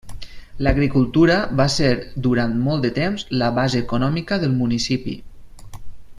L'agricultura va ser durant molt de temps la base econòmica del municipi.